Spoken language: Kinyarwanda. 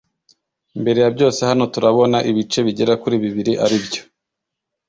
Mbere ya byose hano turabona ibice bigera kuri bibiri ari byo